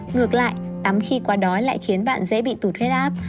ngược lại tắm khi quá đói lại khiến bạn dễ bị tụt huyết áp